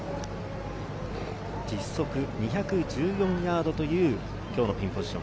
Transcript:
実測２１４ヤードという今日のピンポジション。